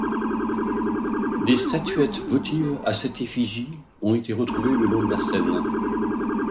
Des statuettes votives à cette effigie ont été retrouvées le long de la Seine.